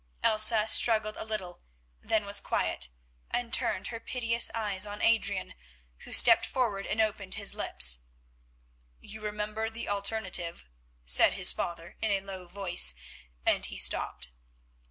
Elsa struggled a little, then was quiet, and turned her piteous eyes on Adrian, who stepped forward and opened his lips. "You remember the alternative," said his father in a low voice, and he stopped.